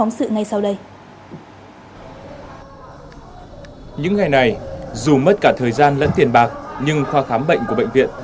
những ngày này dù mất cả thời gian lẫn tiền bạc nhưng khoa khám bệnh của bệnh viện